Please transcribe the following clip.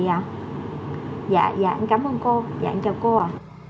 dạ dạ anh cảm ơn cô dạ anh chào cô ạ